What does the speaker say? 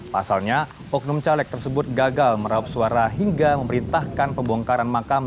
pasalnya oknum caleg tersebut gagal meraup suara hingga memerintahkan pembongkaran makam